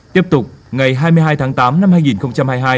tiếp tục ngày hai mươi hai tháng tám năm hai nghìn hai mươi hai